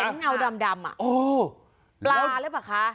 เห็นเงาดำอ่ะโหปลาหรือเปล่าคะ